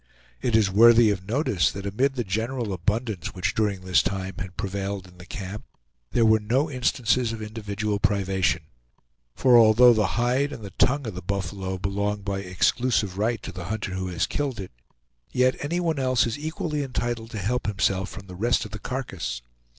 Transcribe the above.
It is worthy of notice that amid the general abundance which during this time had prevailed in the camp there were no instances of individual privation; for although the hide and the tongue of the buffalo belong by exclusive right to the hunter who has killed it, yet anyone else is equally entitled to help himself from the rest of the carcass.